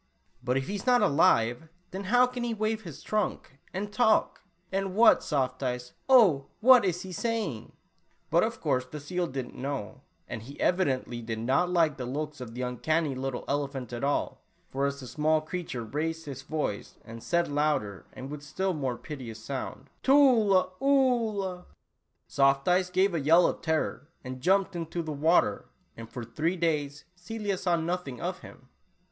" But, if he is not alive, then how can he wave his trunk and talk ? And what, Soft Eyes, oh, what is he saying?" But of course the seal did n't know, and he evidently did not like the looks of the uncanny little elephant at all, for as the small creature raised his voice, and said louder and with still more piteous sound, "Tula Oolah," Soft Eyes gave a yell of terror, jumped into the water, and for three days Celia saw nothing of him